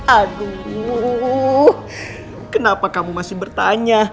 aduh kenapa kamu masih bertanya